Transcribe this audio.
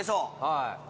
はい。